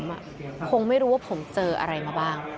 คงไม่รู้ว่าผมเจออะไรมาบ้าง